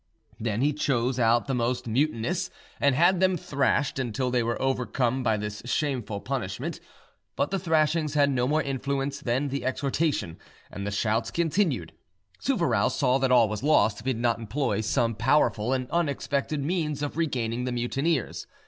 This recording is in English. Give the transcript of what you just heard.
Then he chose out the most mutinous, and had them thrashed until they were overcome by this shameful punishment: But the thrashings had no more influence than the exhortation, and the shouts continued. Souvarow saw that all was lost if he did not employ some powerful and unexpected means of regaining the mutineers.